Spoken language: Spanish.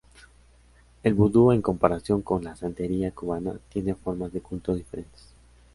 El vudú, en comparación con la santería cubana, tiene formas de culto diferentes.